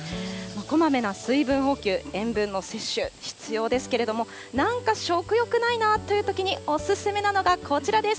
こまめな水分補給、塩分の摂取、必要ですけれども、なんか食欲ないなというときにお勧めなのがこちらです。